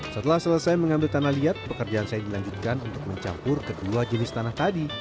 setelah selesai mengambil tanah liat pekerjaan saya dilanjutkan untuk mencampur kedua jenis tanah tadi